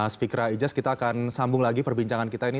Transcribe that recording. spikra ijaz kita akan sambung lagi perbincangan kita ini